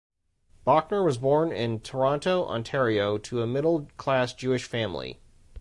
Bochner was born in Toronto, Ontario, to a middle-class Jewish family.